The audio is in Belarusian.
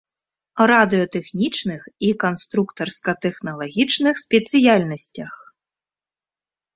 Радыётэхнічных і канструктарска-тэхналагічных спецыяльнасцях.